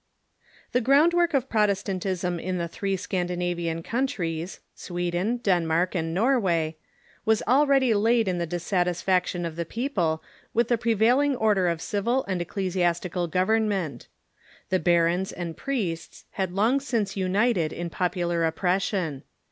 ] The groundwork of Protestantism in the three Scandinavian countries — Sweden, Denmark, and Norwa}" — was already laid in the dissatisfaction of the people with the prevailing order of civil and ecclesiastical government. The barons and priests had long since united in popular oppression.